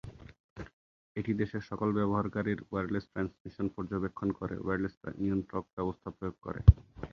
এটি দেশের সকল ব্যবহারকারীর ওয়্যারলেস ট্রান্সমিশন পর্যবেক্ষণ করে ওয়্যারলেস নিয়ন্ত্রক ব্যবস্থা প্রয়োগ করে।